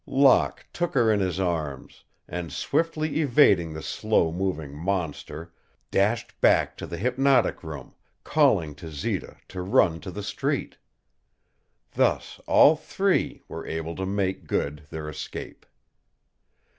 Locke took her in his arms and, swiftly evading the slow moving monster, dashed back to the hypnotic room, calling to Zita to run to the street. Thus all three were able to make good their escape.